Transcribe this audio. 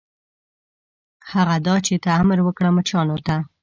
هغه دا چې ته امر وکړه مچانو ته.